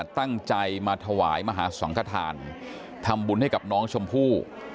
ตั้งใจมาถวายมหาสังขทานทำบุญให้กับน้องชมพู่